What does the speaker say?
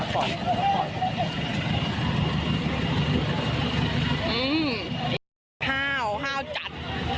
เห้าห้าวจัด